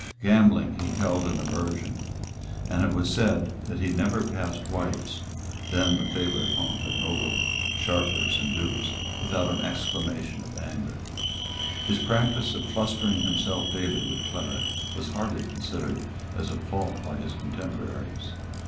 Gambling he held in aversion; and it was said that he never passed White's, then the favourite haunt of noble sharpers and dupes, without an exclamation of anger. His practice of flustering himself daily with claret was hardly considered as a fault by his contemporaries.